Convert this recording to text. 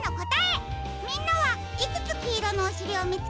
みんなはいくつきいろのおしりをみつけられたかな？